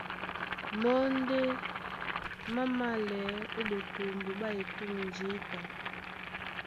Mɔ́ ndé má mālɛɛ́ ó ɓekombo ɓá etûm jǐta.